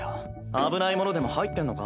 危ないものでも入ってんのか？